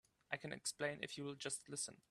I can explain if you'll just listen.